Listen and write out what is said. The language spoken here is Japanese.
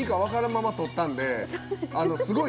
まま撮ったんですごい